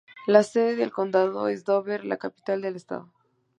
La sede de condado es Dover, la capital del estado.